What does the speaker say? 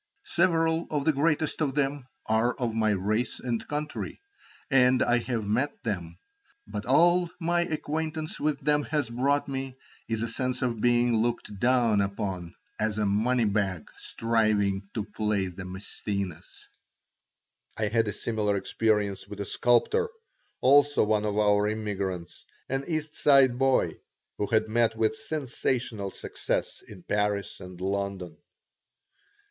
Several of the greatest of them are of my race and country, and I have met them, but all my acquaintance with them has brought me is a sense of being looked down upon as a money bag striving to play the Maæcenas. I had a similar experience with a sculptor, also one of our immigrants, an East Side boy who had met with sensational success in Paris and London.